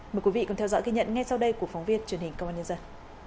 mời quý vị cùng theo dõi ghi nhận ngay sau đây của phóng viên truyền hình công an nhân dân